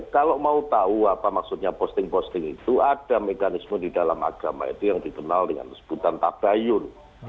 kalau mau tahu apa maksudnya posting posting itu ada mekanisme di dalam agama itu yang dikenal dengan sebutan tabayun